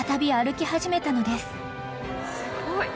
すごい。